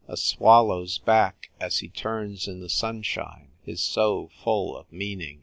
A swallow's back, as he turns in the sunshine, is so full of meaning.